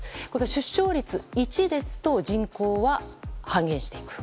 出生率１ですと人口は半減していく。